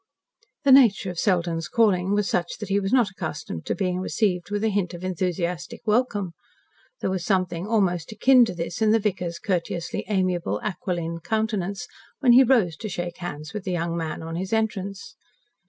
The nature of Selden's calling was such that he was not accustomed to being received with a hint of enthusiastic welcome. There was something almost akin to this in the vicar's courteously amiable, aquiline countenance when he rose to shake hands with the young man on his entrance.